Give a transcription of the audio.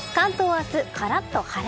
明日、カラッと晴れ。